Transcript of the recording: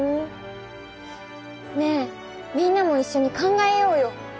ねえみんなもいっしょに考えようよ。